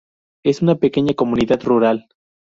Es una pequeña comunidad rural.